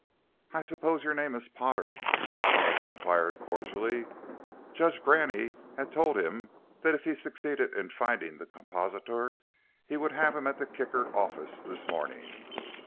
"I suppose your name is Potter?" Hollis inquired cordially. Judge Graney had told him that if he succeeded in finding the compositor he would have him at the Kicker office this morning.